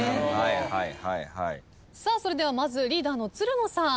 それではまずリーダーのつるのさん。